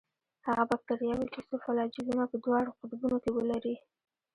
هغه باکتریاوې چې څو فلاجیلونه په دواړو قطبونو کې ولري.